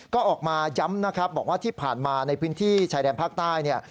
ก็ออกมาย้ำนะครับบอกว่าที่ผ่านมาในพื้นที่ชายแดนภาคใต้เนี่ย